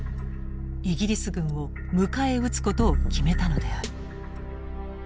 イギリス軍を迎え撃つことを決めたのである。